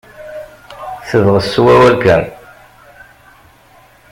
Tebɣes s wawal kan.